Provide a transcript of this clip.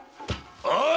おい！